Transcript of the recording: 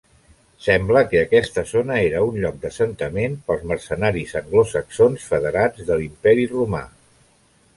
Sembla que aquesta zona era un lloc d'assentament pels mercenaris anglosaxons federats de l'Imperi Romà.